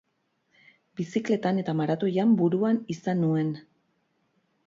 Bizikletan eta maratoian buruan izan nuen.